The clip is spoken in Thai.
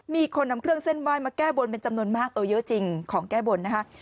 มีคนนำเครื่องเส้นไหว้มาแก้บนเป็นจำนวนมากเออเยอะจริงของแก้บนนะคะ